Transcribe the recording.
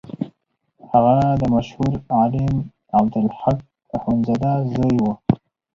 هغه د مشهور عالم عبدالخالق اخوندزاده زوی و.